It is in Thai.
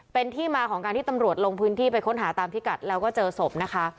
เป็นที่มาของการที่ตำรวจลงพื้นที่ไปค้นหาตามพิกัดแล้วก็เจอศพนะคะ